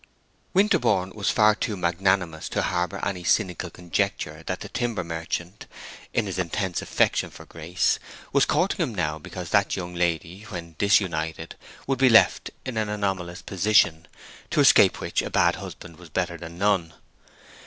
Winterborne was far too magnanimous to harbor any cynical conjecture that the timber merchant, in his intense affection for Grace, was courting him now because that young lady, when disunited, would be left in an anomalous position, to escape which a bad husband was better than none.